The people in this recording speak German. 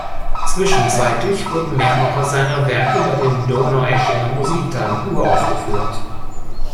Zwischenzeitlich wurden mehrere seiner Werke bei den Donaueschinger Musiktagen uraufgeführt.